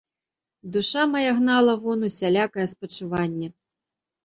Душа мая гнала вон усялякае спачуванне.